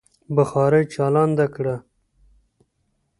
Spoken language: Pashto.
بخارۍ چالانده کړه.